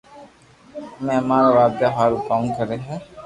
امي امارو نو ودايا ھارو ڪاو بي ڪري